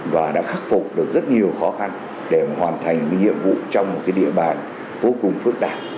và đã khắc phục được rất nhiều khó khăn để hoàn thành nhiệm vụ trong một địa bàn vô cùng phức tạp